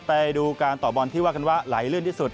ไปดูการต่อบอลที่ว่ากันว่าไหลลื่นที่สุด